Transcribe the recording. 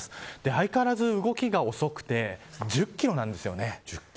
相変わらず動きが遅くて１０キロなんですよね。